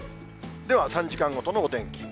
では、３時間ごとのお天気。